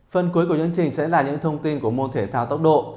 phần cuối của chương trình sẽ là những thông tin của môn thể thao tốc độ